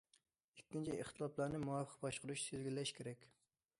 ئىككىنچى، ئىختىلاپلارنى مۇۋاپىق باشقۇرۇش- تىزگىنلەش كېرەك.